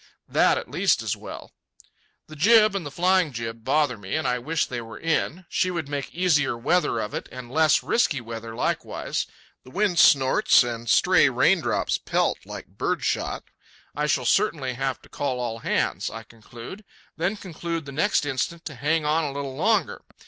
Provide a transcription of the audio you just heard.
That at least is well. The jib and flying jib bother me, and I wish they were in. She would make easier weather of it, and less risky weather likewise. The wind snorts, and stray raindrops pelt like birdshot. I shall certainly have to call all hands, I conclude; then conclude the next instant to hang on a little longer.